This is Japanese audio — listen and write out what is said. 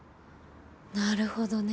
なるほどね。